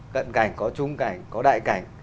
cận cảnh có trung cảnh có đại cảnh